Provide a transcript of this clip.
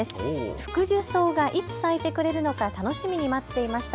フクジュソウがいつ咲いてくれるのか楽しみに待っていました。